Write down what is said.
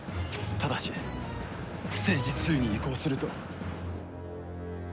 ただしステージ２に移行すると。